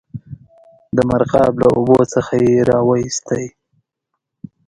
د مرغاب له اوبو څخه یې را وایستی.